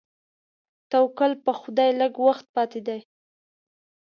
توکل په خدای لږ وخت پاتې دی.